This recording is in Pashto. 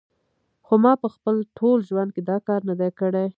خو ما په خپل ټول ژوند کې دا کار نه دی کړی